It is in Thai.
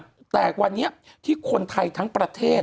คุณหนุ่มกัญชัยได้เล่าใหญ่ใจความไปสักส่วนใหญ่แล้ว